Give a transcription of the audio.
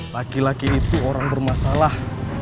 laki laki itu orang bermasalah